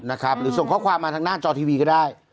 หรือส่งข้อความมาทางหน้าจอทีวีก็ได้